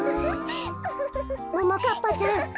ももかっぱちゃん